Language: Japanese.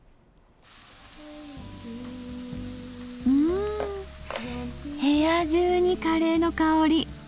ん部屋中にカレーの香り。